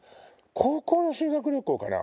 高校の修学旅行かな？